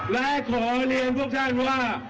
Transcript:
และขอเรียนพวกท่านว่า